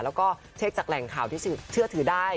แล้วก็เช็คจากแหล่งข่าวที่เชื่อถือได้